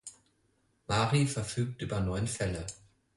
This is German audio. Mari verfügt über neun Fälle.